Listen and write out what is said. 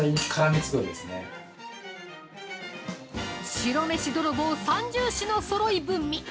◆白飯泥棒三銃士のそろい踏み。